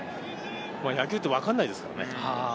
野球って分からないですからね。